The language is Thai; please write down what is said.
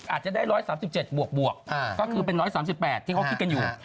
อาจจะได้๑๓๗บวกก็คือเป็น๑๓๘ที่เขาคิดกันอยู่